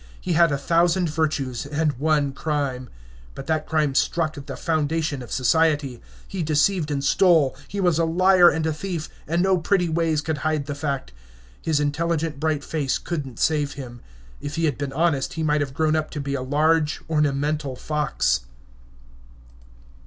He had a thousand virtues and one crime. But that crime struck at the foundation of society. He deceived and stole; he was a liar and a thief, and no pretty ways could hide the fact. His intelligent, bright face couldn't save him. If he had been honest, he might have grown up to be a large, ornamental fox.